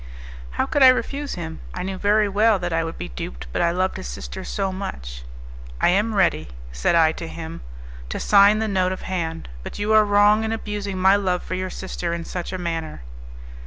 How could I refuse him? I knew very well that I would be duped, but I loved his sister so much: "I am ready," said I to him, "to sign the note of hand, but you are wrong in abusing my love for your sister in such a manner."